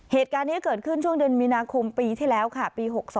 เหตุการณ์นี้เกิดขึ้นช่วงเดือนมีนาคมปีที่แล้วค่ะปี๖๒